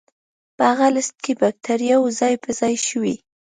په هغه لست کې بکتریاوې ځای په ځای شوې.